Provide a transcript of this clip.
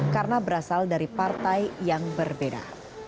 karena berasal dari partai yang berbeda